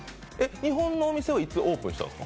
日本のお店はいつオープンしたんですか。